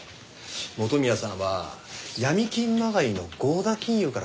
元宮さんは闇金まがいの合田金融から金を借りていたそうです。